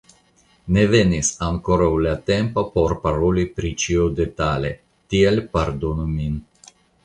Ne venis ankoraŭ la tempo, por paroli pri ĉio detale, tial pardonu min.